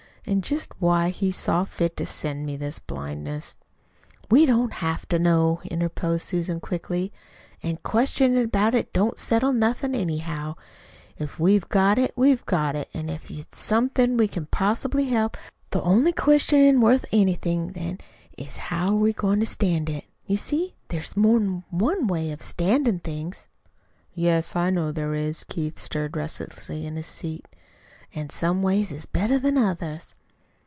"And just why He saw fit to send me this blindness " "We don't have to know," interposed Susan quickly; "an' questionin' about it don't settle nothin', anyhow. If we've got it, we've got it, an' if it's somethin' we can't possibly help, the only questionin' worth anything then is how are we goin' to stand it. You see, there's more'n one way of standin' things." "Yes, I know there is." Keith stirred restlessly in his seat. "An' some ways is better than others."